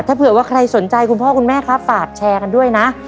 ถ้าเผื่อว่าใครสนใจคุณพ่อคุณแม่ครับฝากแชร์กันด้วยนะ